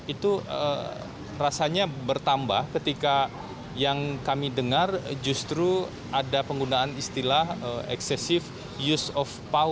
itu rasanya bertambah ketika yang kami dengar justru ada penggunaan istilah excessive use of power